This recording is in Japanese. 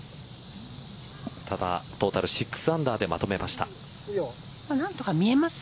ただトータル６アンダーでまとめました。